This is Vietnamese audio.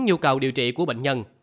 nhu cầu điều trị của bệnh nhân